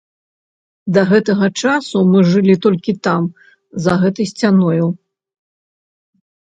Да гэтага часу мы жылі толькі там, за гэтай сцяною.